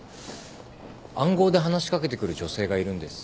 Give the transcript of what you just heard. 暗号で話し掛けてくる女性がいるんです。